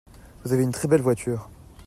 Vous avez un très belle voiture.